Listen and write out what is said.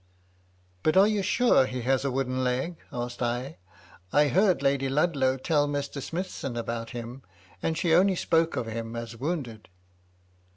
"But are you sure he has a wooden leg?" asked I. " I heard Lady Ludlow tell Mr. Smithson about him, and she only spoke of him as wounded."